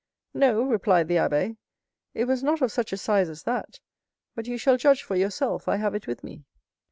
"No," replied the abbé, "it was not of such a size as that; but you shall judge for yourself. I have it with me."